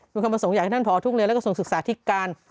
มีคำส่งใหญ่ท่านผอทุกเรียนและก็ส่งศึกษาที่การ